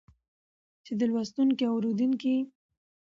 چې د لوستونکي او اورېدونکي